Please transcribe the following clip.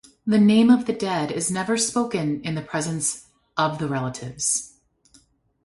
The name of the dead is never spoken in the presence of the relatives.